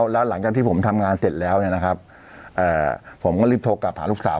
แล้วหลังจากที่ผมทำงานเสร็จแล้วเนี่ยนะครับผมก็รีบโทรกลับหาลูกสาว